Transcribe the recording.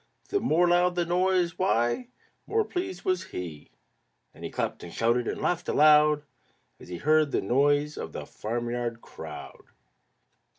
The more loud the noise, why! the more pleased he; And he clapped and shouted and laughed aloud As he heard the noise of the farmyard crowd.